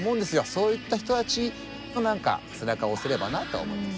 そういった人たちの何か背中を押せればなと思います。